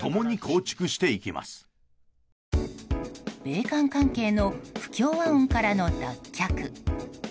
米韓関係の不協和音からの脱却。